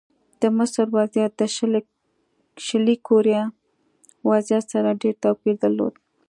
د مصر وضعیت د شلي کوریا وضعیت سره ډېر توپیر درلود.